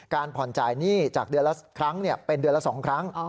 การผ่อนจ่ายหนี้จากเดือนละครั้งเป็นเดือนละ๒ครั้ง